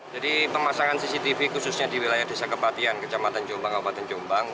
jadi pemasangan cctv khususnya di wilayah desa kepatihan kejahatan jombang obatan jombang